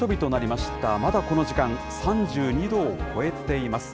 まだこの時間、３２度を超えています。